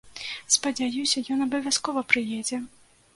Спадзяюся, ён абавязкова прыедзе!